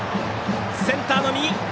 センターの右。